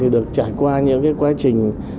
được trải qua những quá trình